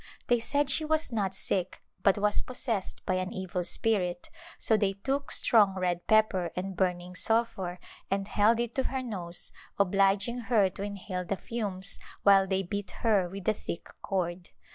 They said she was not sick but was possessed by an evil spirit, so they took strong red pepper and burning sulphur and held it to her nose, obliging her to inhale the fumes while they beat her with a thick cord.